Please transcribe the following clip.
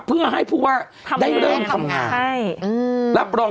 เพื่อให้พูดว่าได้เริ่มทำงาน